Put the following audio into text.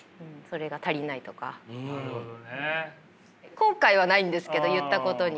後悔はないんですけど言ったことに。